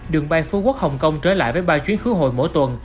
đường bay phú quốc hồng kông trở lại với ba chuyến khứa hội mỗi tuần